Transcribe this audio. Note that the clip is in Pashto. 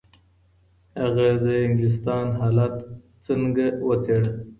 هغه د انګلستان حالت څنګه وڅېړه؟